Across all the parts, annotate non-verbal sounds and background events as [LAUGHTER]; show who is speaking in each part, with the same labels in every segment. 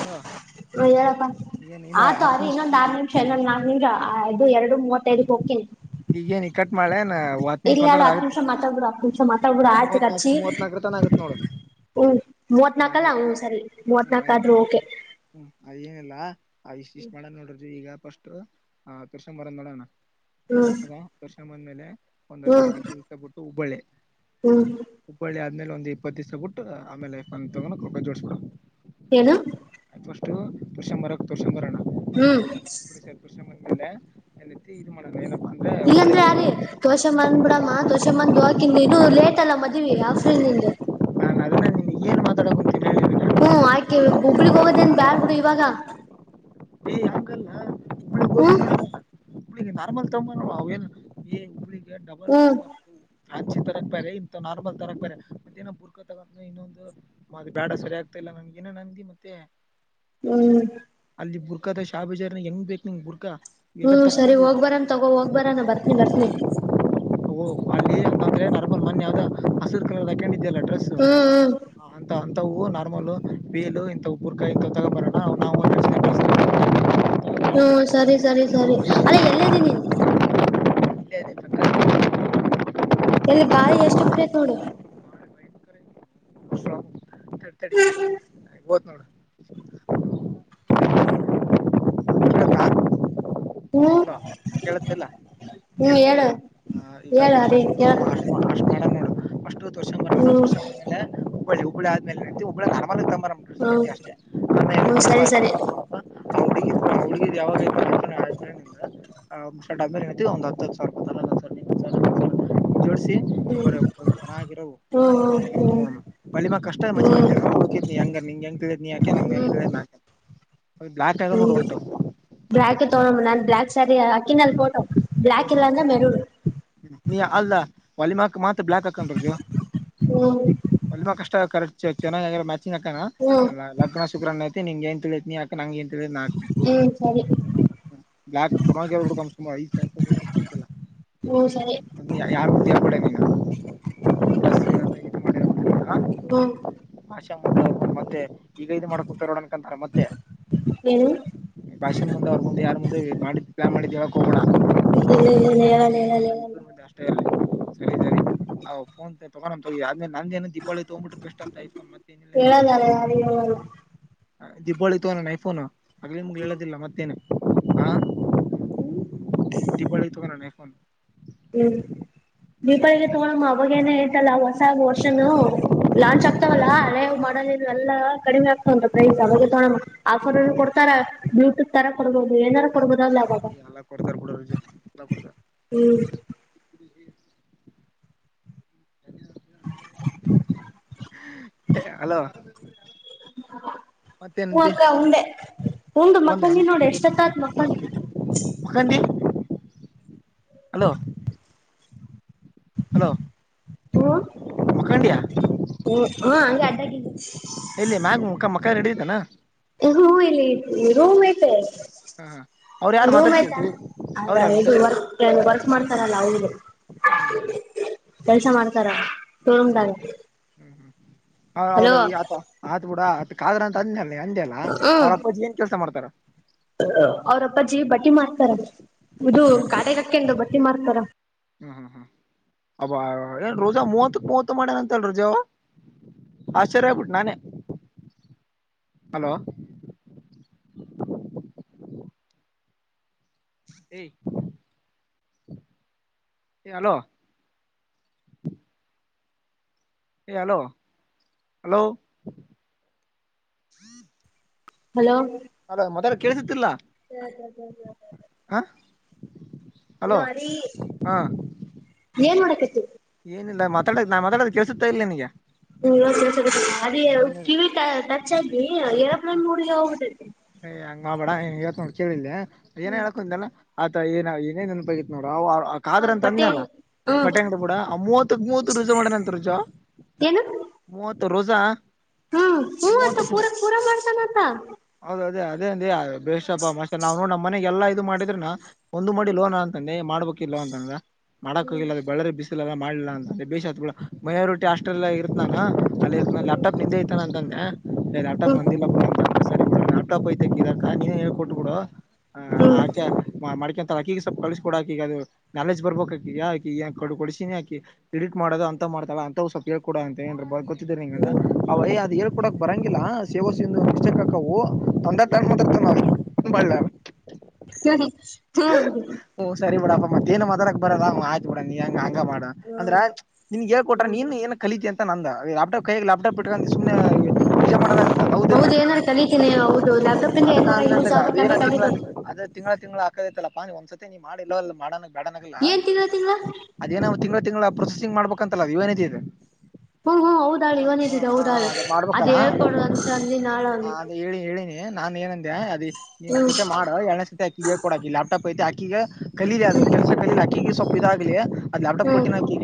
Speaker 1: Hello
Speaker 2: ಹೇಳಪ್ಪ
Speaker 1: ಏನ್ ಇನ್ನ
Speaker 2: ಹಾತ
Speaker 1: ಹತ್
Speaker 2: ಆದಿ
Speaker 1: ನಿಮಿಷ
Speaker 2: ಇನ್ನೊಂದು ಆರ್ ನಿಮಷ ಇನ್ನೊಂದು ನಾಕ ನಿಮಿಷ ಆ ಇದು ಎರಡು ಮೂವತ್ತೈದಕ್ ಹೋಗಕಿನಿ
Speaker 1: ಈಗೇನಿಗ ಕಟ್ ಮಾಡಲೇನ ಹತ್ತು ನಿಮಿಷ
Speaker 2: ಹೇಳು
Speaker 1: ಮಾತಾಡದ
Speaker 2: ಹತ್ತು
Speaker 1: ಆಗುತ್ತ
Speaker 2: ನಿಮಿಷ ಮಾತಾಡ್ಬಿಡು ಹತ್ತು ನಿಮಿಷ ಮಾತಾಡ್ಬಿಡು ಆಯ್ತು
Speaker 1: ಮೂವತ್ನಾಕ
Speaker 2: ಹಚ್ಚಿ
Speaker 1: ಮೂವತ್ನಾಲ್ಕ ರ ತಾನ ಆಗುತ್ತ ನೋಡ
Speaker 2: ಹ್ಮ್ ಮೂವತ್ನಾಕಲ್ಲ ಹ್ಮ ಸರಿ ಮೂವತ್ನಾಕ ಆದ್ರೂ ಓಕೆ
Speaker 1: ಇಲ್ಲಾ ಇಷ್ಟ್ ಇಷ್ಟ್ ಮಾಡಣ ನೋಡ್ರಿ ಈಗ ಫಸ್ಟ್ ತೋರ್ಸೊಂಡ ಬರಂದ್ ನೋಡೋಣ
Speaker 2: ಹ್ಮ್
Speaker 1: ಅದ ತೋರ್ಸ್ಕೊಂಡ ಬಂದ ಮೇಲೆ ಒಂದ್ ಹದನೈದ ಇಪ್ಪತ್ತ ದಿವಸ ಬಿಟ್ಟು ಹುಬಳ್ಳಿ
Speaker 2: ಹ್ಮ್ ಹ್ಮ್
Speaker 1: ಆಮೇಲೆ ಒಂದ ಇಪ್ಪತ್ತ ದಿವಸ ಬಿಟ್ಟ ಆಮೇಲೆ ಎಫ [UNINTELLIGIBLE] ತಗೋಕ್ ರಪ ಜೋಡಸ್ಕೋ
Speaker 2: ಏನು
Speaker 1: ಫಸ್ಟು ಡಿಸೆಂಬರಾಗ ತೋರಿಸಿಕೊಂಬರೋಣ
Speaker 2: ಹ್ಮ್
Speaker 1: [UNINTELLIGIBLE] ಅಂದ್ರೆ
Speaker 2: ಇಲ್ಲಾಂದ್ರೆ
Speaker 1: ಹುಬ್ಬಳ್ಳಿಗೆ
Speaker 2: ಆದಿ
Speaker 1: ಹೋಗು
Speaker 2: ತೋರಷೆ ಬಂದ್ ಬಿಡಮ್ಮ ತೋರಷೆ ಬಂದು ಅಕಿಂದು ಇದು ಲೇಟ್ ಅಲ್ಲ ಮದ್ವಿ ಯ ಫೀಲಿಂಗ್
Speaker 1: [UNINTELLIGIBLE] ಕುಂತೀನಿ ಹೇಳು ಈಗ
Speaker 2: ಹ್ಮ್ ಆಯ್ಕಿ ಹುಬ್ಬಳ್ಳಿಗ ಹೋಗೋದೇನ್ ಬ್ಯಾಡ ಬಿುಡು ಇವಾಗ
Speaker 1: ಏ ಹಂಗಲ್ಲ
Speaker 2: ಹ್ಮ
Speaker 1: ಹಿಗ ನಾರ್ಮಲ್ ತೋಂಬಾ ಅವೇ
Speaker 2: ಹ್ಮ್
Speaker 1: [UNINTELLIGIBLE] [INAUDIBLE] ಹಂಚಿ ತರಕ್ ಬಾರೆ ಇಂಥ ನಾರ್ಮಲ್ ತರಕ್ ಬಾರೆ ಮತ್ತೇನ ಬುರ್ಕ ತಗೊಂಡ್ರೆ ಇನ್ನೊಂದು ಅದು ಬೇಡ ಸರಿಯ ಆಗ್ತಾ ಇಲ್ಲ ನನ್ಗ ಎನೇನ ಅಂದಿ ಮತ್ತೆ
Speaker 2: ಹ್ಮ್
Speaker 1: ಅಲ್ಲಿ ಬುರ್ಕಾದ ಶಾಬಜಾರ ಹೆಂಗ್ ಬೇಕ್ ನಿಂಗ್ ಬುರ್ಕಾ ಎಲ್ಲ
Speaker 2: ಹ್ಮ್
Speaker 1: ತಟ್ಟ
Speaker 2: ಸರಿ ಹೋಗ್ಬರಾನ ತಗೋ ಹೋಗ್ ಬರಾನ ಬರ್ತನಿ ಬರ್ತನಿ
Speaker 1: ಅಲ್ಲಿ ಅದೆ ನಾರ್ಮಲ್ ಮನ್ನಿ ಯಾವುದ ಹೆಸರು ಕಲ್ಲರದ ಹಾಕ್ಕೊಂಡಿದ್ದೆಲ್ಲ ಡ್ರೆಸ್
Speaker 2: ಹ್ಮ್ ಹ್ಮ್
Speaker 1: ಅಂತ ಇಂಥವು ನಾರ್ಮಲು ವೇಲು ಇಂಥವು ಬುರ್ಕಾ ಇಂಥವ ತಗೊಂಬರೋಣ ನಾವು [UNINTELLIGIBLE]
Speaker 2: ಹ್ಮ್ ಸರಿ ಸರಿ ಸರಿ ಅಲ್ಲ ಎಲ್ಲೆದಿ ನೀನ
Speaker 1: ಇಲ್ಲೇದೆ ಪ್ರಕಾರ
Speaker 2: ಎಲ್ಲಿ ಗಾಳಿ ಎಷ್ಟ ಬಿಟ್ಟೈತ್ ನೋಡು
Speaker 1: [UNINTELLIGIBLE]
Speaker 2: ಹ್ಮ
Speaker 1: ಹೋತ್ ನೋಡ
Speaker 2: ಹ್ಮ್
Speaker 1: ಕೇಳುತ್ತಿಲ್ಲ
Speaker 2: ಹ್ಮ್ ಹೇಳ ಹೇಳ ಅದೇ
Speaker 1: ಅಷ್ಟು
Speaker 2: ಕೇಳಕತ್ತದ
Speaker 1: ಅಷ್ಟು ಅಷ್ಟು ಮಾಡೋಣ ನೋಡು ಫಸ್ಟ್
Speaker 2: ಹ್ಮ
Speaker 1: ಹಬ್ಬಳ ಆದ್ಮೇಲೆಬ್ಬ ಹರ್ಮ
Speaker 2: ಹ್ಮ್
Speaker 1: ಅಷ್ಟೇ [UNINTELLIGIBLE]
Speaker 2: ಹ್ಮ್ ಸರಿ ಸರಿ
Speaker 1: ಹುಡಗಿರದ [INAUDIBLE] [UNINTELLIGIBLE] [UNINTELLIGIBLE]
Speaker 2: ಹ್ಮ್
Speaker 1: ಒಬ್ಬರ ಒಬ್ಬ ಚೆನ್ನಾಗಿರವು
Speaker 2: ಹ್ಮ್
Speaker 1: ಚೆನ್ನಾಗಿರುತ್ತ
Speaker 2: ಹ್ಮ್
Speaker 1: ತಗೊಳೋಣ ಬಲಿ ಮ ಕಷ್ಟ ಮ
Speaker 2: ಹ್ಮ್
Speaker 1: ಹೆಂಗ ನಿಂಗ ತಿಳಿಯದ ನಿ ಹಾಕೆ ನನಗ
Speaker 2: ಹ್ಮ್
Speaker 1: ಹೆಂಗ
Speaker 2: ಹ್ಮ್
Speaker 1: ತಿಳಿಯದ ನಾ ಬ್ಲಾಕ್ ಆಗ್ಯಾವ ನೋಡ ಒಟ್ಟು
Speaker 2: ಬ್ಲಾಕೆ ತೋಗಮ್ಮ ನಾನ್ ಬ್ಲಾಕ್ ಸ್ಯಾರಿ ಹಾಕ್ಕಿನಲ‌ ಫೊಟೋ ಬ್ಲಾಕ್
Speaker 1: ಹ್ಮ್
Speaker 2: ಇಲ್ಲಾಂದ್ರೆ ಮೆರೂನ
Speaker 1: ನೀ ಅಲ್ಲ ವಲಿಮಕ್ ಮತ್ತ ಬ್ಲಾಕ್ ಹಾಕೊಂಡ ಬರತ್ತಿಯಾ
Speaker 2: ಹ್ಮ್
Speaker 1: ಒಲಿಮಾಕಷ್ಟೆ ಕರೆಕ್ಟ ಚೆನ್ನಾಗಿ ಮ್ಯಾಚಿಂಗ್ ಹಾಕಣ
Speaker 2: ಹ್ಮ್
Speaker 1: ಲಗ್ನ ಶುಗ್ರ ನಿನಗೆಂಗ್ ತಿಳಿತದ ನೀ ಹಾಕ ನನಗೆ ಹೆಂಗ
Speaker 2: ಹ್ಮ್ ಸರಿ
Speaker 1: ಬ್ಲಾಕ್ ಚೆನ್ನಾಗಿರು ಹುಡ್ಕಮ್ಮ ಸುಮ ಐದ ಸಾವಿರೂಪಾಯ ಹೋದರು ಚಿಂತಿಲ್ಲ
Speaker 2: ಹ್ಮ್ ಸರಿ
Speaker 1: ಯಾರ್ು್ದ ಕೊಡ ಈಗ ಬ
Speaker 2: ಹ್ಮ
Speaker 1: ಭಾಷಾ ಮತ್ತೆ ಈಗ ಇ ಮಾಡ್ಕೊತರೋ ಅನ್ಕಂತಾರೆ ಮತ್ತೆ
Speaker 2: ಏನು
Speaker 1: ಬಾಷನ್ ಮುಂದೆ ಅವರು ಮುಂದೆ ಯಾರು ಮುಂದೆ ಮಾಡಿದ್ರೆ ಪ್ಲಾನ್ ಮಾಡ ಯಾವಾಗ ಕೋಗಡ
Speaker 2: ಇಲ್ಲ ಇಲ್ಲ ಹೇಳಲ್ಲ
Speaker 1: ನಮ್ ಇಬ್ರು
Speaker 2: ಹೇಳಲ್ಲ
Speaker 1: ಮದ್ಯ ಅಷ್ಟೇ ಇರ್ಲಿ ಸರಿ ಫೋನ್ ತಗೊಂಡೊಂತ ತ ಆದ್ಮೇ ನಂದ ೇನ ದೀಪಾವಳಿ ತಗ್ಬಿಟ್ರೆ ಬೆಷ್ಟ ಅಂತ ಐಫೋನ್ ಮತ್ತೆ ಏನಿಲ್ಲ ಅಂತೇನ
Speaker 2: ಹೇಳಲ್ಲ ಯಾರಿಗೂ ಹೇಳಲ್ಲ
Speaker 1: ದೀಪಾವಳಿ ನೈಐಫೋನು ಆಗ್ಲಿ ನಿಮ್ ಹೇಳದಿಲ್ಲ ಮತ್ತೇನೆ ಹ ದೀಪಾವಳಿಗ್ ತಗೋಳ ಐಫೋಮ್
Speaker 2: ಹ್ಮ್ ದೀಪಾವಳಿಗೆ ತಗಳಮ್ಮ ಅವಾಗ ಏನ ಐತಲ್ಲ ಹೊಸ ವರ್ಷನು ಲಾಂಚ್ ಆಗ್ತವಲ್ಲ ಅೇವ್ ಕಡ ಎಲ್ಲಾ ಕಡಿಮೆ ಆಗ್ತಾ ವಂತ ಪ್ರೈಸ್ ಅವಾಗ ತಲ ಆಫರ್ನು ಕೊಡ್ತಾರ ಬ್ಲೂಟೂತ್ ತರ ಕೊಡಬೋುದು ಏನಾರ ಕೊಡ್ಬೋದಲ್ಲ ಅವಾಗ
Speaker 1: ಎಲ್ಲ ಕೊಡ್ತಾರ ಕಡ ರಜಾ ಎಲ್ಲ ಕೊಡ್ತಾರ
Speaker 2: ಹ್ಮ್
Speaker 1: ಅಲೋ
Speaker 2: ಹ ಅಕ್ಕ ಉಂಡೆ ಉಂಡು ಮಕ್ಕಂಡ್ ನೋಡಿ ಎಷ್ಟತ್ತತ್ ಮಕ್ಕಂಡ್
Speaker 1: ಮು ರ ಹಲೋ ಹಲೋ
Speaker 2: ಹ್ಮ
Speaker 1: ಮುಖಂಡಿಯ
Speaker 2: ಹ್ಮ ಹಾ ಹಂಗೆ ಅಡ್ಡಾಗಿ
Speaker 1: ಇಲ್ಲಿ ಮ್ಯಾಗ ಮುಖ ಸಕ್ಕ ರಡೀತಾನ
Speaker 2: ಹೂ ಇಲ್ಲಿ ರೂಮ್ ತೆ
Speaker 1: ಹ್ಮ ಹಾ
Speaker 2: ರೂಮ್ ಆಯ್ತಾೌದ ಇದು
Speaker 1: ಮಾತಾಡ್ಸ
Speaker 2: ವರ್ಕ್ ಮಾಡ್ತಾರಲ್ಲ ಅವರು
Speaker 1: ಹ್ಮ್
Speaker 2: ಕೆಲ್ಸ ಮಾಡ್ತಾರ
Speaker 1: ಹ್ಮ್
Speaker 2: ಶೋರೂಮ್ದಾಗ
Speaker 1: ಹ್ಮ್ ಹ್ಮ್ ಅವ್ರ
Speaker 2: ಹಲೋ
Speaker 1: ಆತ ಆತ್ ಬಿಡ ಆತ್ ಕಾದ್ರ ಅಂತ ಅಂದ್ಯ ಅಂದಲ್ಲ ಅಲ್ಲ ಅವ್ರ ಅಪ್ಪಾಜಿ ಏನ್ ಕೆಲಸ ಮಾಡ್ತಾರೆ
Speaker 2: ಅವರ ಅಪ್ಪಜಿ ಬಟ್ಟಿ ಮಾಡ್ತಾರ ಇದು
Speaker 1: ಹ್ಮ್
Speaker 2: ಗಟಗಕ್ಕೆಂದು ಬಟ್ಟೆ ಮಾಡ್ತಾರಾ
Speaker 1: ಹ್ಮ್ ಹ್ಮ್ ಹ್ಮ್ ಅಬ್ಬ ಏನ್ ರುಜಾ ಮೂವತ್ತಕ್ ಮೂವತ್ ಮಾಡೇನಂತಲ್ ೋಜಾವ ಆಶ್ಚರ್ಯ ಆಗ್ ಬಿಟ್ನಿ ನಾನೆ ಹಲೋ ಹಾ ಹೆ ಹ ಅಲೋ ಏ ಹಲೋ ಹಲೋ
Speaker 2: ಹಲೋ
Speaker 1: ಅದ ಮತಡದ್ ಕೇಳಸತಿಿಲ್ಲಾ
Speaker 2: ಸ ಸ ಸ ಸ ಅಲ್ಲೋ
Speaker 1: ಹಲೋ
Speaker 2: ಹರಿ
Speaker 1: ಹಾ
Speaker 2: ಏನ್ ಮಾಡೋಡಕತಿ
Speaker 1: ಮಾತಡ ನಾತಡದ ಕೇಳಸುತ್ತಾ ಇಲ್ಲ ನಿಿನಗೆ
Speaker 2: ಹ್ಮ ಅದ ಕಿವಿ ಟಚ್ ಆಗಿ ಎರೋಪ್ಲೇನ್ ಮೂಡಿಗೆ ಹೋಗುತ್ತತಿ
Speaker 1: ಅಯ್ ಹಂಗಬಡ ನೀನ್ ಇವತ್ತು ನೋಡ್ ಕೇಳಿಲ್ಲೆ ಏನ ಹೇಳಕ್ುಂತೆಲ್ಲಾ ಆತಾ ಏನ ಏನನ್ಪಗಿತ್ ನೋಡ್ರ ಅವ ಆ
Speaker 2: ಹ
Speaker 1: ಕಾದ್ರ ಅಂತ
Speaker 2: ಬಟ್ಟೆ
Speaker 1: ಅಂದನಲ್ಲ
Speaker 2: ಹ್ಮ
Speaker 1: ಬಟ್ಟೆಂಗಡ ಬೂಡ ಆ ಮೂವತ್ತು ಮೂವತ್ತು ರುಜು ಮಾಡನ ಅಂತ ರುಜು
Speaker 2: ಏನು
Speaker 1: ಮೂವತ್ತು ರೋಜಾ
Speaker 2: ಹ್ಮ್ ಹ ಮೂವತ್ತು ಪೂರ ಪೂರಾ ಮಾಡ್ತಾನತ
Speaker 1: ಹೌದು ಅದೇ ಅದೇ ಅಂದ ಬೇ್ಪ ಮತ್ತೆ ನಾವ್ ನೋಡ್ ನಮ್ಮ್ನೆಗೆಲ್ಲ ಇದು ಮಾಡಿದ್ರನಾ ಒಂದು್ ಮಾಡಿ ಲೋನ್ ಅಂತಾನೆ ಮಾಡ್ಬೇಕ ಇಲ್ವಾ ಅಂತಂದ್ರ
Speaker 2: ಹ್ಮ್
Speaker 1: ಮಾಡಕಿಲ್ಲ ಅ ಬೆಳ್ಳ ಬಿಸ ಮಾಡಲಿಲ್ಲ ಅಂತಂದ ಬೇಷ ಮೈನರಿಟಿ ಹಸ್ಟೆಲ್ ಇತ್ತತಾನ ಅಲ್ಲಿ
Speaker 2: ಹ್ಮ್
Speaker 1: ಲ್ಾಪ್ಟಾಪ್ ನಿಂದೆ ಐತಾನ ಅಂದೆ ಸಪ್ಟಾಪ್
Speaker 2: ಹ್ಮ್
Speaker 1: ಬಂದಿಲ್ಲ ನಾಪ ಟಾಪ್ ಐತ ಇದಕ್ಕ ನೀ ಹೇಳ್ಕೊಟ್ಬ ಬಿಡು
Speaker 2: ಹ್ಮ್
Speaker 1: ಮಾಡಕ ರಕಿಗ ಸ್ಪ್ ಕಳ್ಸಕ ಕೊಡಾಕಿಗ ಅದು ನಾಲೆಜ್ ಬರ್ಬೇಕ ಈಗ ಕೊಡಸಿನಿ ಎಡಿಟ್ ಮಾಡೋದು ಅಂತ ಮಾಡ್ತಲ್ಲ ಅಂತ ಸ್ವಲ್ಪಳ್ ಕೂಡ ಅಂತ
Speaker 2: ಹ್ಮ್
Speaker 1: ಅವಯ ಅ ಹೇಳ್ಕಡಕ್ ಬರಂಗಿಲ್ಲ ಸೇವಸಕ ಹವು ತಂದ ತರ್ತ ನಾವು
Speaker 2: ಹ ಹಾ
Speaker 1: ಹ್ಮ್ ಸರಿ ಬಿಡಪ್ಪ ಮತ್ತೇನ್ ಮಾತರಕ್ ಬರಲ್ಲ ಅವ ಆಯ್ತು ಬಿಡಣ ನೀಂಗ ಹಂಗ ಮಾಡ ಅಂದ್ರೆ
Speaker 2: ಹ್ಮ್
Speaker 1: ನಿನ್ಗೆ ಹೇಳ್ ಕೊಟ್ರ ನೀನ್ ಏನ್ ಕಲಿತ ಅಂತ ದ ಲ್ಯಾಪ್ಟಾಪ್ ಕೈ ಲ್ಯಾಪ್ಟಾಪ್ ಇಟ್ಕೊಂಡು ಸುಮನೆ ಮಾಡ
Speaker 2: ಹೌದು ಏನಾದಾರರು ಕಲಿತೀನಿ ಹೌದು ಲಾ
Speaker 1: ಅದ ಅದೇನ ತಿ ಅ ತಿಂಗಗಳಳ ತಿಂಗ್ಳ ಹಾಕದೈತ್ತಲ್ಲ ಪಾನಿ ಒಂದ್ಸತಿ ನೀ ಮಾಡಿ ಇಲ್ಲ ಎಲ್ಲ ಮಾಡ ಬೇಡಲ್ಲ
Speaker 2: ಏನ್ ತಿಂಗಳ ತಿಂಗಳ
Speaker 1: ಅದೇನ್ ತಿಂಗಳ ತಿಂಗಳ ಪ್ರೊಸೆಸಿಂಗ್ ಮಾಡ್ಬೇಕಂತಲ್ಲ ಅದು ಇವ ಏನತಿ ಇದೆ
Speaker 2: ಹ್ಮ್ ಹ್ಮ್ ಹೌದಾಳು
Speaker 1: ಹ ಹ
Speaker 2: ಇವನಿದಿದೆ
Speaker 1: ಹ
Speaker 2: ಹೌದಾಳು
Speaker 1: ಅದು
Speaker 2: ಅದ್
Speaker 1: ಮಾಡ್ಬೇಕಲ್ಲ
Speaker 2: ಹೇಳ್ಕೊಡು ಅಂತ ಅಂದಿ ನಾಳು
Speaker 1: ಹ ಅದ
Speaker 2: ಹ್ಮ್
Speaker 1: ಹೇಳಿ ಹೇಳಿ ನಾನ್ ಏನಂದೆ ಅದ ನೀವ ಒಂದ್
Speaker 2: ಹ್ಮ್
Speaker 1: ಸತಿ ಮಾಡ ಎರನೇ ಸತಿ ಅಕ್ಕಿಗೆ ಹೇಳ್ ಕೊಡಕಿ ಲಪ್ಟಾಪ್ ಐತಿ ಅಕ್ಕಿಗ ಕಲಲಿ ಅ
Speaker 2: ಹ್ಮ್
Speaker 1: ಕೆಲಸ ಕಲಿಲ್ಲಾಕ್ಕೀಗೆ ಸೊಪ್ಪ ಇದಾಗ್ಲಿ ಅದು ಲ್ಟಾಪ್ ಕೊಟ್ಟಿನ ಹಾಕಿ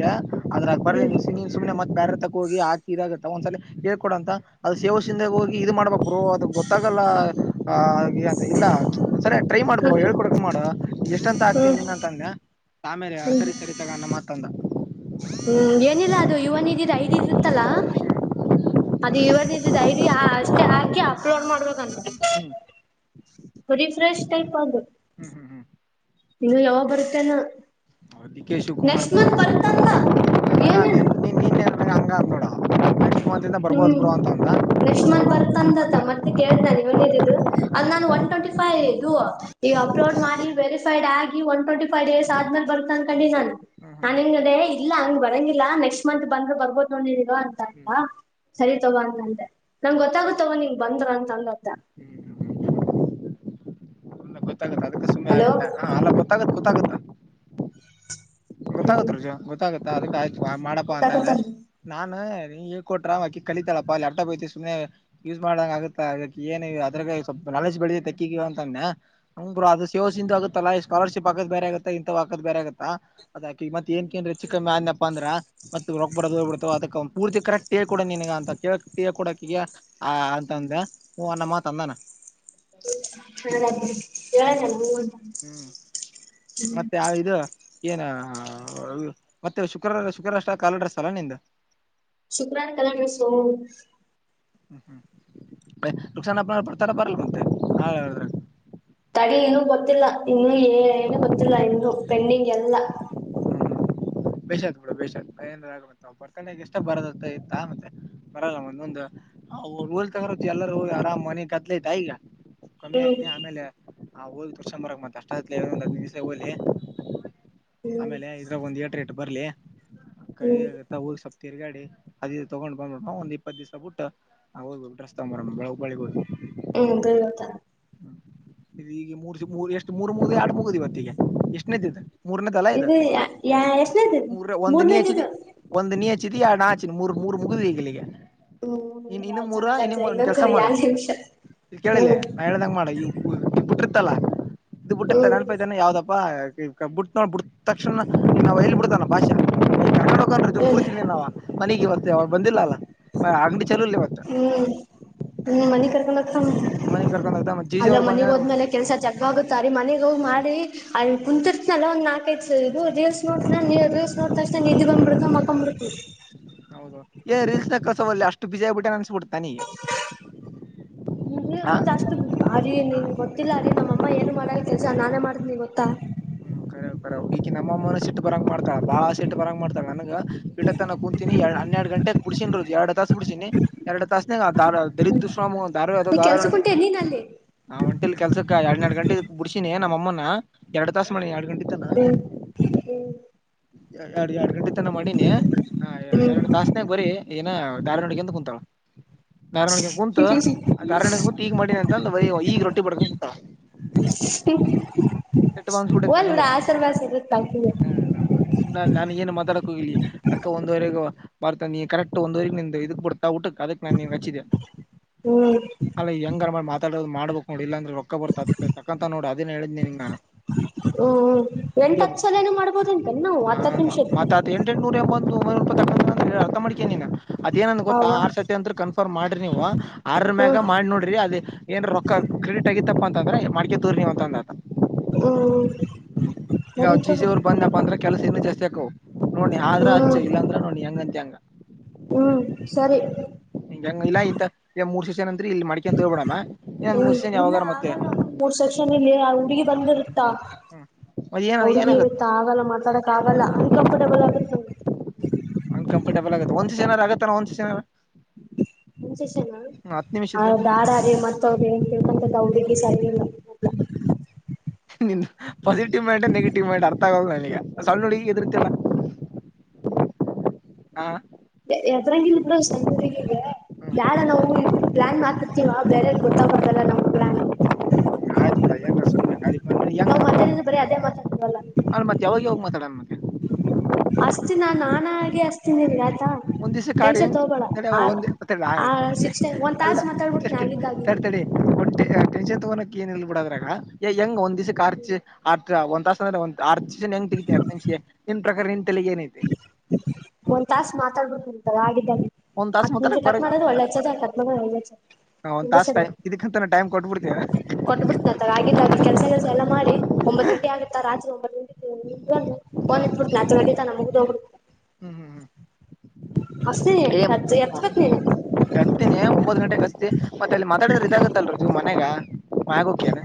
Speaker 1: ಅ್ರ ಬ
Speaker 2: ಹ್ಮ್
Speaker 1: ಸುನೆೆ ಬ್ಯಾರ ತಕ ಹೋಗಿ ಹಾಕಿ ಇದಾಗತ್ತ ಒಂದ್ಸಲ ಹೇಳ್ಕೊಡಂತ ಅದು ಸೇವಸಿಂದಾಗ ಹೋಗಿ ಇದು ಬ್ರೋ ಮಾಡ್ಬೇಕರು ಅದು ಗೊತ್ತಾಗಲ್ಲ ಇಲ್ಲ ಸರಿ ಟ್ರೈ ಮಾಡ್ಬ
Speaker 2: ಹ್ಮ್
Speaker 1: ಹೇಳ್ಕೊಡ್ಕ ಮಾಡ ಎಷ್ಟಂತ ಆತಿ
Speaker 2: ಹ್ಮ್
Speaker 1: ನೀನಂತ ಅಂದೆ ಆಮೇಲೆ
Speaker 2: ಹ್ಮ್
Speaker 1: ಸರಿ ಸರಿ ತಗ ಅನ್ನ ಮಾತಂದ
Speaker 2: ಹ್ಮ್ ಏನಿಲ್ಲ ಅದು ಇವನ ಇದಿದೆ ಐ ಇರುತ್ತಲ್ಲ ಅದು ಇವ ಡೈರಿ ಅಷ್ಟೇ ಹಾಕಿ ಅಪ್ಲೋಡ್ ಮಾಡ್ಬೇಕಂತ
Speaker 1: ಹ
Speaker 2: ಅ ನಿ ಯ ಬರುತ್ತನ
Speaker 1: ದಿಕ ಶಿವಕುಮಾರ್ ಆ
Speaker 2: ಏನೇನು
Speaker 1: ಹಂಗ ಕೂಡ
Speaker 2: ಹ್ಮ್ ನೆಕ್ಸ್ಟ್ ಮಂತ್
Speaker 1: ಅಂದ್ರ ಹ್ಮ್
Speaker 2: ಬರ್ತಂತತ್ತ
Speaker 1: ಹ್ಮ್
Speaker 2: ಮತ್ತೆ ಕೇಳ್ದ್ ನಾನನ್ ವನೇರಿದ್ದು ಅ್ ನಾನು ಒನ್ ಟ್ವೆಂಟಿ ಫೈ ಇದು ಈಗ ಅಪ್ಲೋಡ್ ಮಾಡಿ ವೆರಿಫೈಡ್ ಆಗಿ ಒನ್ ಟ್ವೆಂಟಿ ಫೈವ್ ಡೇಸ್ ಆದ್ಮೇ ಬತ್ತತ ಅನ್ಕಂಡಿದ್ದ ನಾನನ್
Speaker 1: ಹ್ಮ್
Speaker 2: ನನ್
Speaker 1: ಹ್ಮ್
Speaker 2: ಹೆಂಗ ಅದ ಇಲ್ಲ ಹಂಗ್ ಬರಂಗಿಲ್ಲ ನೆಕ್ಸ್ಟ್ ಮಂತ್ ಬಂದ್ರು ಬರ್ಬೋದು ನೋಡಿದಿರೋ ಅಂತ ಆ್ತಾ ತವ ಅಂತಂತೆೆ ನಮ್
Speaker 1: ಹ್ಮ್
Speaker 2: ಗೊತ್ತಾಗುತ್ತವ ನೀ ಬಂದ್ರ ಅಂತ ಅನ್ನೋದ್ದ
Speaker 1: ಹ್ಮ್ ತ್ತ ಅದಕ್ಕೆ ಸುಮ್ಮ ಆಿ
Speaker 2: ಹಲೋ
Speaker 1: ಹ ಅಲ್ಲತ್ತತ್ತ
Speaker 2: ಹ್ಮ್
Speaker 1: ಗೊತ್ತಾಗತ್ ರುಜು ಗೊತ್ತಾಗತ್ತ ಅದಕ್ಕೆ ಆಯ್ತು ಮಾಡಪ್ಪಾ ಅಂತಂದ
Speaker 2: ಗೊತ್ತಾಗುತ್ತಲ್
Speaker 1: ನಾನ ಹೇಗೆ ಕೊಟ್ರ ಅಕಿ ಕಳಿತಾಪ್ಪ ಲ್ಯಾಪ್ಟಾಪ್ ಐತಿ ಸು್ನೆ ಯೂಸ್ ಮಾಡ್ದಂಗ ಆಗುತ್ತಾ ಏನು ಅದ್ರಾಗ ಸ್ಲ್ಪ ನಾಲೆಜ್ ಬೆಳಿದೆ ತೆಕ್ಕಿ ಅ ಅದು ಸೇವಸ ಆಗುತ್ತಲ್ಲ ಸ್ಕಾಲರ್ಶಿಪ್ ಹಾಕದ ಬೇರೆ ಆಗತ್ತ ಇಂತ ಹಾಕದ ಬೇರೆ ಬಗತ್ತಾ ಮತ್ ಏನುಕ್ಕೆ ಅಂದ್ರೆ ಹೆಚ್ಚು ಕಮ್ಮಿ ಆಯ್ತು ಅಂದ್ರ ಮತ್ ರೊಕ್ಕ ಬರೋದು ಬಿಡತೋ ಅದಕ್ಕ ಪೂರ್ತಿ ಕರೆಕ್ಟಾಗಿ ಹೇಳಿಕೊಡು ಅಂತ ಕೇಳಕ್ ತಿ ಕೊಡಕಿಗೆ ಆ ಅಂತಂದ ಹ ಅನ್ನ ಮಾತ ಅಂದಾನ
Speaker 2: ಹ ಹೇಳಲ್ಲ
Speaker 1: ಹ್ಮ್
Speaker 2: ಹಟ
Speaker 1: ಮತ್ತೆ ಯಾವ ಇದು ಏನ ಮತ್ತೆ ಶುಕ್ರವಾರ ಶುಕ್ರಷ್ಟ ಕಾಲಾಡಸ್ತಲ್ಲ ನಿಂದು
Speaker 2: ಶುಕ್ರವಾರ ಕಲ್ರರಾಣ ಸೋ
Speaker 1: ಹ್ಮ್ ಹ್ಮ್ ನುಕ್ಸಾಡ್ತರ ಬರಲ್ ಮಂತೆ ಹ
Speaker 2: ತಡಿ ಇನ್ನುೂ ಗೊತ್ತಿಲ್ಲ ಇನ್ನುೂ ಏ ಏನು ಗೊತ್ತಿಲ್ಲ ಇನ್ನುೂ ಪೆಂಡಿಂಗ್ ಎಲ್ಲ
Speaker 1: ಬೇಷಾದ್ ಕೂಡ ಬೇಷಾದ್ ಆಗ ಬರ್ತಾನ ಎಷ್ಟ ಬರದಂತ ಇತ್ತ ಮತ್ತೆ ಬರಲ್ಲ ಒಂದೊಂದು ಹ ಹೋಲ್ ತಗ ಎಲ್ಲ ಹೋಗಿ ಆರಾಮ್ನೆಗ್ ಕದ್ಲೈತ ಈಗ ಕಮ್ಮಿ ಆಗ್ಲಿ ಆಮೇಲೆ ಆ ಹೋಲ್ ತುರ್ಸಂಬರಕ್ ಮತ್ತ ಅಷ್ಟ ಆ್ಲರಂದಂದು ಹ ದಿವಸ ಹೋಲಿ
Speaker 2: ಹ್ಮ್
Speaker 1: ಆಮೇಲೆ ಇದ್ರ ಒಂದ್ ಎಟ ಎಟು ಬರ್ಲಿ ಕಿ
Speaker 2: ಹ್ಮ್
Speaker 1: ಆಗತ್ತ ಹಊಲ್ ಸೊ ತಿಗಾಡಿ ಅದದು ತೊಗೊಂಡ್ ಬಂದಬಡ ಒಂದ ಇಪ್ಪತ್ತು ದಿವ್ಸ ಬಿಟ್ಟ ನ ಹ್ಬೇಕುಡ್ರಸ್ ತಗೊ ಬರೋ ಬಳಗ್ ಹೋಗ್ರರು
Speaker 2: ಹ್ಮ್ ಬೀಳ್ತ
Speaker 1: ಈಗ ಮೂರು ಮೂ ಎಷ್ಟು ಮೂರ್ ಮೂಗ ಎರಡು ಮುಗುದಿವತ್ತಿಗೆ ಎಷ್ಟನ್ದಿದ್ದ ಮೂರನೇ ತಲ ಇ
Speaker 2: ಇದು ಯ ಎಷ್ಟನೇದ ಇದು
Speaker 1: ಮೂರ ಒಂದ ನೀಚ್ಚ
Speaker 2: ಮೂರನೇದಿದು
Speaker 1: ಒಂದ ನೀ ಚ ನಾಚ ಮೂರು ಮೂರು ಮುಗುವಗಿಗೆ
Speaker 2: ಹ್ಮ್ಳ ಚಣ ಕಚಲ್ಲ ಚರಿ ನಿಮಿಷ
Speaker 1: ಇ ಕೇಳಿಲ್ಲ
Speaker 2: ಹ್ಮ್
Speaker 1: ನಾ ಹೇಳ್ದಂಗ ಮಾಡ ಈ ಇ ಬಿಟ್ಟಿರ್ತಲ್ಲ ಇದು
Speaker 2: ಹ್ಮ್
Speaker 1: ಬಿಟ್ಟಿರ್ತಲ್ಲ ಅನ್ಪಾಯತಾನೆ ಯಾವ್ದಪ್ಪ ಬಿಟ್ ನೋ ಬಿಟ್ಟ ತಕ್ಷಣವು ಎಲ್ಲಿ ಬಿಡತಲ್ಲ ಭಾಷಾಡ
Speaker 2: ಹ್ಮ್
Speaker 1: ಕೂತೀನಿ ನ ಮನೆಗೆ ಇವ ಅವ ಬಂದಿಲ್ಲ ಅ
Speaker 2: ಹ್ಮ್ ಹ್ಮ್ ಮನ ಕರ್
Speaker 1: ಮನೆಗ್ ಕರ್ಕೊಂಡ್ ಹೋಗ್ದ ಮತ್ ಜೀಜಿ
Speaker 2: ಅಲ್ಲ
Speaker 1: ಅವ್ರು
Speaker 2: ಮನಗ್
Speaker 1: ಬಂದಂದ್ರ
Speaker 2: ಹೋದ್ಮೇಲೆ ಕೆಲ್ಸ ಚಕ್ವಾಗುತ್ತಾರಿರೀ ಮನ ರೋಗ್ ಮಾಡಿ ಕುಂತರ್ತನಲ್ಲ ಒಂದ ನಾಕೈತ್ ಇದು ರೀಲ್ಸ್ ನೋಡ ನೀ ರೀಲ್ಸ್ ಸೋ ತಷ್ಟು ನಿಧಿ ಬ ಮೃತ ಮಕ್ಕಂಬೃತ
Speaker 1: ಹೌದ ಏ ರೀಲ್ಸ್ ಕಲಸವಲ್ಲ ಅಷ್ಟು ಬಿಜಿ ಆಗ್ಬಿಟ್ಟ ಅನಡ್ತಾನಗ
Speaker 2: ನಿ ಮತ್ತತ್ ಅಷ್ಟು ಅರಿ ನಿನ್ ಗೊತ್ತಿಲ್ಲ ಅರಿೀ ನಮ್ಮಅಮ್ಮ ಏನು ಮಾಡ ಕೆಲಸ ನಾನೇ ಮಾಡ್ತೀನಿ ಗೊತ್ತಾ
Speaker 1: ರೋಗಿ ನಮ್ಮಮ್ಮನ ಸಿಟ್ಟು ಬರಂಗ ಮಾಡತಳ ಬಾಳ ಸಿಟ್ಟ ಬರಂಗ ಮಾಡ್ತಳ ನನ ಗ ಬಿಟ್ಟ ತನ ಕುೂಂತೀಿನಿ ಎರ ಹನ್ನೆರಡು ಗಂಟೆಗೆಗ್ ಬಿುಸಿನಿದು ಎಡು ತಾಸ ಬುಡಸಿನಿ ಎರಡು ತಾಸನಾಗ ಆ ದರಿದು ಶ್ರಾಮು ದಾರ ದ
Speaker 2: ನೀ ಕೆಲ್ಸಕ್ ಹೊಂಟೆ ನೀನ್ ಅಲ್ಲಿ
Speaker 1: ಒಂಟಿಲಿ ಕೆಲ್ಸಕ್ಕ ಎರಡ್ ನರಡು ಗಂಟೆ ಬುಡ್ಸಿನಿ ನಮ್ಮ ಮ್ಮ ಎರಡು ತಾಸ ಮಣೆ ಎರಡು ಗಂಟೆ
Speaker 2: ಹ್ಮ
Speaker 1: ಎರಡು ಎರಡ್ ಗಂಟೆ ತನ ಮಾಡಿನಿ ಹ
Speaker 2: ಹ್ಮ್
Speaker 1: ಎರಡು ತಾಸನಾಗ ಬರೀ ಏನ ದಾರ ನೋಡಗೆ ಎಂತ ಕುಂಂತಳ ದಾರಾಯಣಗೆ ಕುರತು ದಾರಾಯಣ್ಯ ಕುತು ಈಗ ಮಾಡಿನಿ ಅಂತಂದುಯ ಈಗ ರೊಟ್ಟಿ ಬಡ್ಕ್ ಕುೂತ
Speaker 2: ಹ್ಮ
Speaker 1: ಎಟ್ಟು ಬಾವನ್ ಸಟ ನನಗೆ
Speaker 2: ಬಾಸ್ ಇರತ್ ಬಾಕಿದೆ
Speaker 1: ಹಾ ನ ಸುಮ ನಾನು ಏನು ಮಾತಾಡಕ್ ಹೋಗಿಲಿ ಅದ್ಕ ಒಂದುವರೆ ಬರ್ತ ನೀ ಕರೆಕ್ಟ್ ಒಂದವರೆ ಇದ ಕೊಡ್ ಊಟಕ್ ಅದಕ್ ನಾನನ್ ರಚ್ಚಿದ್ದೆ
Speaker 2: ಹ್ಮ್
Speaker 1: ಅಲ್ಲ ಹೆಂಗರ ಮಾತಾಡ್ ಮಾಡ್ಬೇಕು ನೋ ಇಲ್ಲಾಂದ್ರೆ ಹಕ್ಕ ಬರ್ತ ತಕ್ಕಂತ ನೋಡಿ ಅದೇ ಹೇಳಿದ್ರರಿನಿ ನಾನು
Speaker 2: ಹ್ಮ್ ಎಂಟ ಹತ್ ಸಲನು ಮಾಡ್ಬೋದಂತೇನ್ ನಾವು
Speaker 1: ಹ
Speaker 2: ಹತ್ತತ್ ನಿಮಿಷದ
Speaker 1: ಮಾ ತಾತ ಎಂಟ ಎಟನೂರ ಅರ್ಥ ಮಾಡ್ಕೇನಾ ಅದೇಏನಂದ ಗೊಾ
Speaker 2: ಅವ
Speaker 1: ಆರ್ ಸರ್ತಿ ಅಂತತ್ ಕನ್ಫರ್ಮ್ ಮಾಡ್ರಿ ನೀವು ಆರ ಮ್ಯಾಗ ಮಾಡಿ ನೋಡ್ರಿ ಅದ ಏನ್ ರೊಕ್ಕ ಕ್ರೆಡಿಟ್ ಆಗಿತ್ತಪ್ಪ ಅಂತಂದ್ರೆ ಮ್ಕೆ ತೋರ್ ನೀವ ಅಂತಂದತ
Speaker 2: ಹ್ಮ್
Speaker 1: ಹ್ಮ್ ಈಗ
Speaker 2: ಹ್ಮ್ ಸರಿ ತಗೋ
Speaker 1: ಚೀಜೆವರು ಬಂದಪ್ಪ ಅಂದ್ರೆ ಕೆಲ್ಸ ಇನ್ನು ಜಾಸ್ತಿ ಸಕ್ ನೋಡಿ ಆದ್ರ ಅಚ್ಚ
Speaker 2: ಹ್ಮ್
Speaker 1: ಇಲ್ಲಾಂದ್ರ ನೋಡಿ ಹೆಂಗ ಅಂತ
Speaker 2: ಹ್ಮ್ ಸರಿ
Speaker 1: ಹೆಂಗ ಹಂಗ ಇಲ್ಲ ಈತ ಮೂರ್ಸ ಸೀಸನ್
Speaker 2: ಇಲ್ಲ
Speaker 1: ಯಾವಾಗಾರ ಮತ್ತೆ
Speaker 2: ಆಗಲ್ಲ ಮೂರ್ ಸೆಕ್ಷನ್ ಇಲ್ಲಿ ಹುಡುಗಿ
Speaker 1: ಹ್ಮ್ ಮತ್ ಏನ
Speaker 2: ಹಡುಗಿ
Speaker 1: ಏನಾಗತ್ತ
Speaker 2: ಇರುತ್ತಾ ಆಗಲ್ಲ ಮಾತಾಡಕ್ ಆಗಲ್ಲ ಅನ್ಕಂಫರ್ಟಬಲ್ ಆಗಿತ್ತ
Speaker 1: ಡಬಲ್ ಆಗುತ್ತೆ ಒಂದ್ ಜನರ ಆಗತ್ತಾನ ಒಂದಸ ಜನರ
Speaker 2: ಮುಂಚೆಷನ ದಾರಾರೆ ಮತ್ತ ಅವ್ರ ಏನ್ ಕೇಳ್ಕಂತ ಅವಿಗೆಸ ಇದಿಲ್ಲ ಹ
Speaker 1: ನಿನ್ ಪಾಸಿಟಿವ್ ಮೈಂಟ್ ನೆಗೆಟಿವ್ ಮೈಂಟ್ ಅರ್ಥ ಆಗೋದ ನನಗೆ ಸವಳ್ಣ ನೋಡಿ ಈಗ ಎದಿರ್ತಿಲ್ಲ ಹಾ
Speaker 2: ಎದ್ರಂಗ ಇಲ್ ಬಿ್ರ ಸಂಜಗಗೆ
Speaker 1: ಹ್ಮ್
Speaker 2: ಬ್ಯಾಡ ನಾವು ಇ ಪ್ಲಾನ್ ಮಾಡ್ತಿತತಿವ ಬೇರೆ ಗೊತ್ತ. ಬರ್ತಲ್ಲ ನಾವು ಗಾಣಿ
Speaker 1: ಂಗ
Speaker 2: ನಾವ್ ಮಾತಾಡಿದ್ರೆ ಬರೀ ಅದೇ
Speaker 1: ಅ ಮತ್ತ ಯಾವಾಗ ಹೋಗ್ ಮಾತಾಡಣ ಮತ್ತ
Speaker 2: ಅಷ್ಟತಿನ ನಾನೆ ಅಷ್ಟತಿನಿ ಇಿಲ್ಲ
Speaker 1: ಒಂದ್ ದಿವ್ಸ ಕಾರಂಗ ಒಂದ
Speaker 2: ಆ
Speaker 1: ಆತು ಅನ್ಸ
Speaker 2: ಸಿಕ್ಸ್ ಟೈಮ್ ಒಂದ್
Speaker 1: ಅಲ್ಲ
Speaker 2: ತಾಸ ಮಾತಾಡ್ಬಿಡ್ತೀನಿ
Speaker 1: ಿೆ
Speaker 2: ಆಗಿದ್ದಾಗಿ
Speaker 1: ಟೆನ್ಷನ್ ತಗೋಕ್ ಏನ್ ನಿಲ್ ಬಿಡದ್ರಾಗ ಹೆಂಗ ಒಂದ್ಸಕ್ಕೆ ಆರ್ ಆ ಒಂದ್ಾಸಸ್ ಅಂದ್ರೆ ಒಂದ ಆರ್ಷ ಹೆಂಗ್ ತೆಗತಿ ಹರ್ ನಿಮಿಷ ನಿನ್ ಪ್ರಕಾರ ನಿ ತಲೆಗೆ ಏನೈತೆ
Speaker 2: ಒಂದ್ ತಾಸ ಮಾತಾಡ್ಬೇಕು ಅಂತ ಹಾಗ
Speaker 1: ಒಂದ್ ತಾಸ
Speaker 2: ಆತ್ಮ
Speaker 1: ಮಾತಾಡಕ್
Speaker 2: ಶತ್ ಮಾರ ಒಳ್ಳ ಚ ಆಾಕತ್ ನ ಮ ಒಳ್ಳ
Speaker 1: ಹ ಒಂದು ತಾಸ ಟೈಮ ಇದಕ್ಕಂತ ನಾ ಮ್ ಕೊಬಿ
Speaker 2: ಕೊಟ್ಟ ಬಿಿಡ್ತತ ಹಾಗಿದ್ದಾಗ ಕೆಸ ಕೆಲಸ ಎಲ್ಲ ಮಾಡಿ ಒಂಬತ್ತು ಗಂಟೆ ಆಗುತ್ತಾತ್ರಿ ಒಂಬತ್ತು ಗಂಟೆ ಆತಾನ ಮುಗ್ದೋಗ
Speaker 1: ಏ
Speaker 2: ನೀನು
Speaker 1: ಕರ್ತೀನಿ ಒಂಬತ್ತು ಗಂಟೆಗೆ ಕಸ್ತಿ ಮತ್ತೆ ಅಲ್ಲಿ ಮಾತಾಡಿದ್ರೆ ಇದಾಗತ್ತಲ್ ಮನಗ ಆಗಕನೆ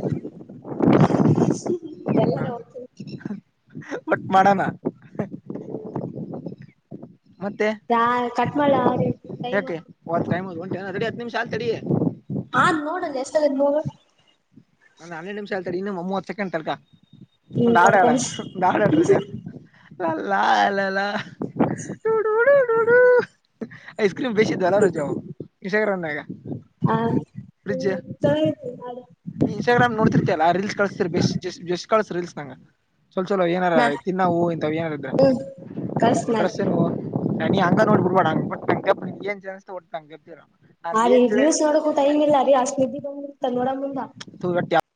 Speaker 2: ಎಲ್ಲರೂ
Speaker 1: ಬಟ್ ಮಾಡೋಣ ಮತ್ತೆ
Speaker 2: ಯಾ ಕಟ್ ಮಾಡ ಟೈಮ್
Speaker 1: ಯಾಕೆತ್ ಕಾಯದ ಡಿ ಹತ್ತು ನಿಮಿಷಲ್ ತಡಿ
Speaker 2: ಹಾ್ ನೋಡಲ್ಲ ಎಷ್ಟ ಆಗತ್ ನಗ
Speaker 1: ಒಂದು ಹೆರಡು ನಿಮಷ ಹತ ಇನ್ನು ಮೂವತ್ ಸೆಕಂಡ್ ತರ್ಕ
Speaker 2: ಹ್ಮ್
Speaker 1: ದಾಡ್ಯಾಡ
Speaker 2: ತರ್ಕ
Speaker 1: ದಾಡಡ್ರ ಲಲ್ಲಾಾ ನೋಡೋಡು ನೋಡು ಐಸ್ ಕ್ರೀಮ್ ಬಸಿಿದ್ದ ಅಲ್ಲ ರಜಾವಷಗ
Speaker 2: ಹ ಹ್ಮ್ ಚ
Speaker 1: ಇನ್ಸ್ಟಾಗ್ರಾಮ್ ಕಳಸಿಲ್ಸ್ ನಗೆ ಸ್ವಲ್ ಚಲೋ ಏನಾರ
Speaker 2: ನಾ
Speaker 1: ತಿನ್ನವು ಇಂತ ಏನಾರ
Speaker 2: ಹ್ಮ್ ಕಳ್ಸ ನಾಳೆ
Speaker 1: ಡ್ರೆಸ್ ಏನುವು ನಾನಿ ಹಂಗ ನೋಡ್ಬಡ್ಬಡ ಹಂಗಂಗ ಏನ್ ಜನ್ಸ್ತ ತಂಗಗೆಬಿರ
Speaker 2: ಆ ರೀ ವ್ಯೂಸ್ ನೋಡಕು ಟೈ್ ಇಲ್ಲ ರ ಅಷ್ಟ್ ನ ಇದ್ದಿದ್ದೋಗ್ ಇರ್ತ ನೋಡ ಮುಂದ
Speaker 1: ಟ